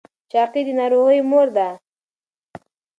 چاقي د ناروغیو مور ده.